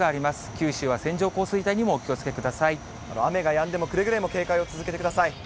九州は線状降水帯にもお気をつけくださ雨がやんでも、くれぐれも警戒を続けてください。